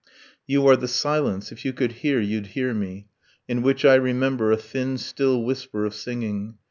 You are the silence (if you could hear you'd hear me) In which I remember a thin still whisper of singing.